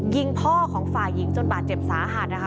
ยิงพ่อของฝ่ายหญิงจนบาดเจ็บสาหัสนะคะ